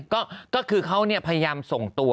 ก็คือเขาพยายามส่งตัว